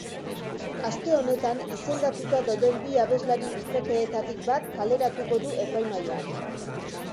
Aste honetan izendatuta dauden bi abeslari bikoteetatik bat kaleratuko du epaimahaiak.